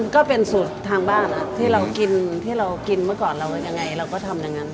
ก็เป็นสูตรทางบ้านที่เรากินเมื่อก่อนเราก็ทำอย่างนั้น